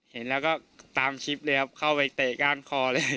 เห็นแล้วก็ตามคลิปเลยครับเข้าไปเตะก้านคอเลย